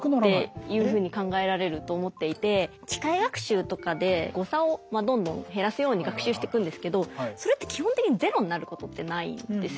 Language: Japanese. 機械学習とかで誤差をどんどん減らすように学習してくんですけどそれって基本的にゼロになることってないんですよ。